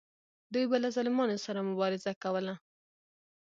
دوی به له ظالمانو سره مبارزه کوله.